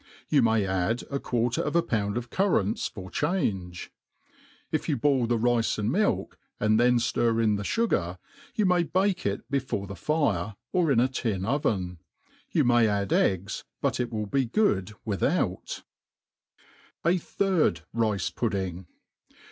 You may add a quarter of a pound of currants^ jfor change. If you boil the rice and milk, and then ftir in the ' filgar, you may bake it before the fire, or in a tin oven* You jnay add eggs, but ic will be good without* J third Rice Pudding.